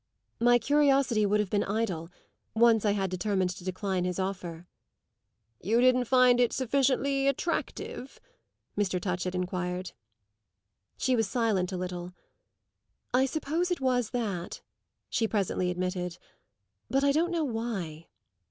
"My curiosity would have been idle once I had determined to decline his offer." "You didn't find it sufficiently attractive?" Mr. Touchett enquired. She was silent a little. "I suppose it was that," she presently admitted. "But I don't know why."